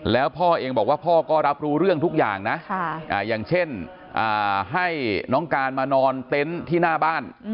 แล้วพ่อเองบอกว่าพ่อก็รับรู้เรื่องทุกอย่างนะอย่างเช่นให้น้องการมานอนเต็นต์ที่หน้าบ้าน